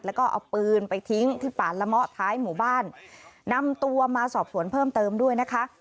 แล้วก็เอาปืนไปทิ้งที่ป่านละเมาะท้ายหมู่บ้านนำตัวมาสอบสวนเพิ่มเติมด้วยนะคะ